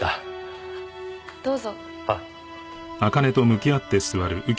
どうぞ。